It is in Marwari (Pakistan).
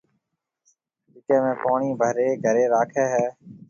جڪَي ۾ پوڻِي ڀريَ گهري راکيَ هيَ۔